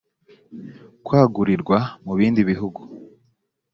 kwagurirwa mu bindi bihugu